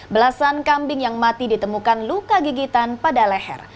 belasan kambing yang mati ditemukan luka gigitan pada leher